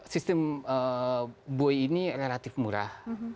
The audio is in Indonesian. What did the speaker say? sistem bui ini relatif murah